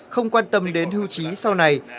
không quan tâm đến hưu trí sau này